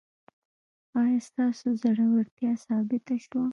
ایا ستاسو زړورتیا ثابته شوه؟